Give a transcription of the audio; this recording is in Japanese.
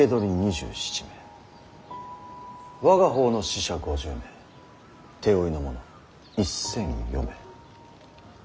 我が方の死者５０名手負いの者１，０００余名。